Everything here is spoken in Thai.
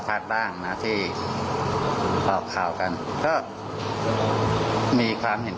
แสดงว่าหลวงพ่อเนี่ยค่ะคือไม่ชอบหมอปลาอยู่แล้ว